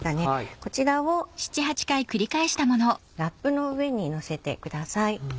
こちらをラップの上にのせてください。